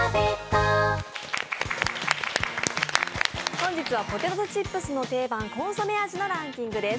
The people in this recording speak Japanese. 本日はポテトチップスの定番、コンソメ味のランキングです。